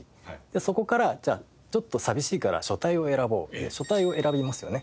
そこからじゃあちょっと寂しいから書体を選ぼうと書体を選びますよね。